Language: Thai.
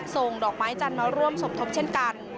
ส่งดอกไม้จันทร์มาร่วมสมทบเช่นกัน